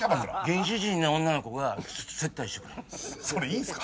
原始人の女の子が接待してくれるそれいいんすか？